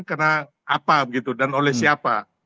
kena apa dan oleh siapa